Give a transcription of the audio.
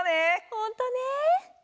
ほんとね。